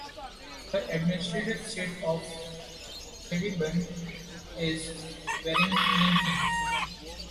The administrative seat of Sedibeng is Vereeniging.